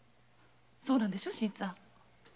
そうなんでしょ新さん？